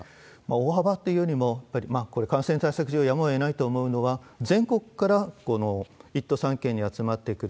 大幅っていうよりも、やっぱり感染対策上やむをえないと思うのは、全国から１都３県に集まってくる。